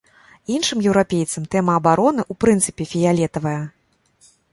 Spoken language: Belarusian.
Іншым еўрапейцам тэма абароны, у прынцыпе, фіялетавая.